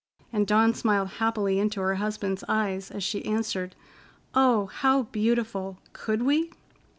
And Dawn smiled happily into her husband's eyes as she answered: "Oh, how beautiful! Could we?"